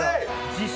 自称